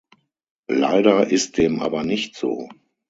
Leider ist dem aber nicht so.